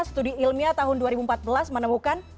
studi ilmiah tahun dua ribu empat belas menemukan